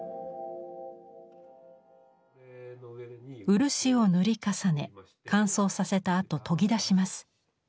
漆を塗り重ね乾燥させたあと研ぎ出します。